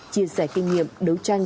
chia sẻ kinh nghiệm đấu tranh